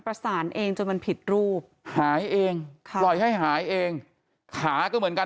ประสานเองจนมันผิดรูปหายเองค่ะปล่อยให้หายเองขาก็เหมือนกัน